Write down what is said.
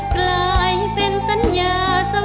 กลายเป็นสัญญาทรง